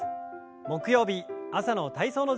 木曜日朝の体操の時間です。